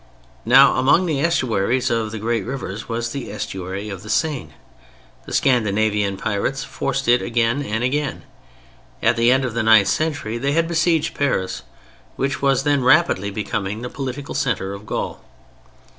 Now among the estuaries of the great rivers was the estuary of the Seine. The Scandinavian pirates forced it again and again. At the end of the ninth century they had besieged Paris, which was then rapidly becoming the political centre of Gaul.